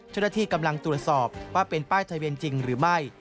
เจ้าหน้าที่กำลังตรวจสอบว่าเป็นป้ายทะเบียนจริงหรือไม่